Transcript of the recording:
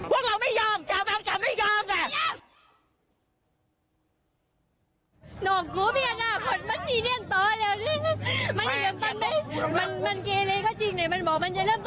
ว่าเราไม่ยอมเจ้าบ้านกลับไม่ยอม